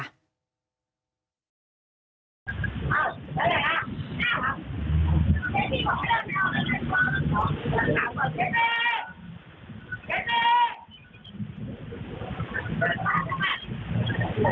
ไอ้จี๋ติดหน่อยป่ะ